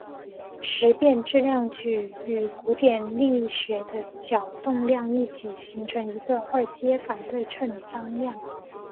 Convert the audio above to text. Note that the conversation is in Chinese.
时变质量矩与古典力学的角动量一起形成一个二阶反对称张量。